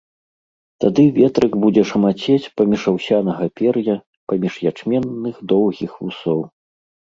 Тады ветрык будзе шамацець паміж аўсянага пер'я, паміж ячменных доўгіх вусоў.